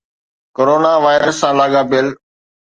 corona virus سان لاڳاپيل